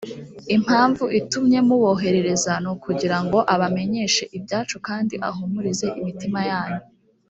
impamvu itumye muboherereza ni ukugira ngo abamenyeshe ibyacu kandi ahumurize imitima yanyu